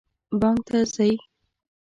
بانک ته ځئ؟